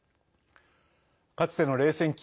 かつての冷戦期